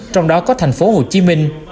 trong đó có tp hcm